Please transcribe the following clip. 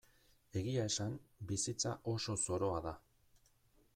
Egia esan, bizitza oso zoroa da.